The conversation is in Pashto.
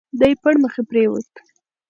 دی پړمخي پرېووت.